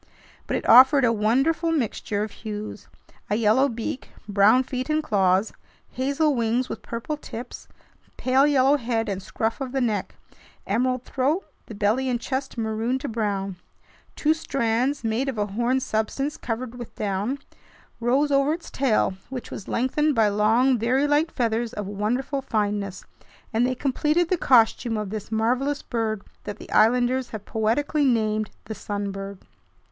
But it offered a wonderful mixture of hues: a yellow beak, brown feet and claws, hazel wings with purple tips, pale yellow head and scruff of the neck, emerald throat, the belly and chest maroon to brown. Two strands, made of a horn substance covered with down, rose over its tail, which was lengthened by long, very light feathers of wonderful fineness, and they completed the costume of this marvelous bird that the islanders have poetically named "the sun bird."